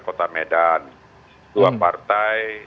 kota medan dua partai